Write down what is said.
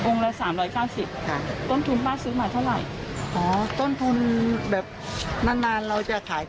ละ๓๙๐ค่ะต้นทุนป้าซื้อมาเท่าไหร่อ๋อต้นทุนแบบนานนานเราจะขาย